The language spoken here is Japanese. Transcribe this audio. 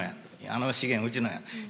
「あの資源うちのや」。